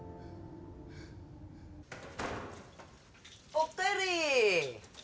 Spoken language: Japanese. おっかえり。